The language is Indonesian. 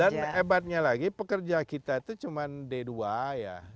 dan hebatnya lagi pekerja kita itu cuma d dua ya